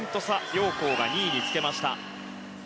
ヨウ・コウが２位につけました。